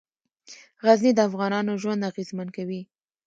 غزني د افغانانو ژوند اغېزمن کوي.